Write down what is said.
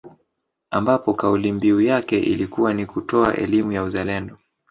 Ambapo kauli mbiu yake ilikuwa ni kutoa elimu ya uzalendo